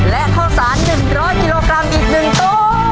และข้าวสาร๑๐๐กิโลกรัมอีก๑ตู้